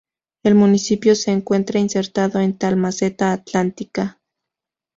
El municipio se encuentra insertado en lal Meseta Atlántica.